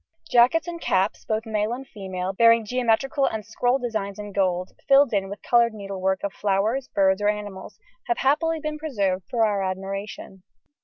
Jackets and caps, both male and female, bearing geometrical and scroll designs in gold, filled in with coloured needlework of flowers, birds, or animals have happily been preserved for our admiration.